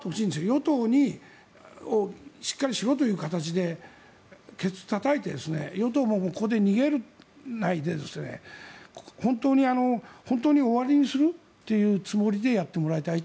与党にしっかりしろという形でけつをたたいて与党もここで逃げないで本当に終わりにするというつもりでやってもらいたい。